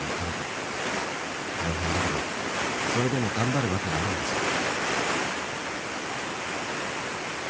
大変だけどそれでも頑張る訳があるんだそう。